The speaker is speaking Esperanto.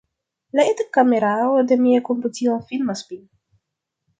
La eta kamerao de mia komputilo filmas min.